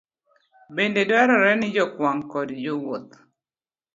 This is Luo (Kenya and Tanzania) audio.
Bende dwarore ni jokwang' koda jowuoth